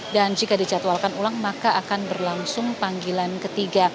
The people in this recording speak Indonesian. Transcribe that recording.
dan jika dijadwalkan ulang maka akan berlangsung panggilan ketiga